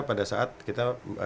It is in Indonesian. pada saat kita